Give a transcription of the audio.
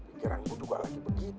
pikiran gua juga lagi begitu dar